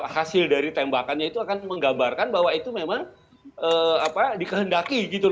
hasil dari tembakannya itu akan menggambarkan bahwa itu memang dikehendaki